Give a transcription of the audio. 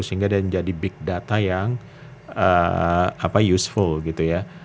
sehingga dia menjadi big data yang useful gitu ya